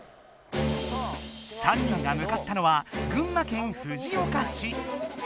３人がむかったのは群馬県藤岡市。